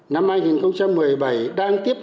năm hai nghìn một mươi bảy đang tiếp tục làm nhiều việc